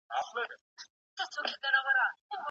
چای د وینې فشار ښه کولای شي.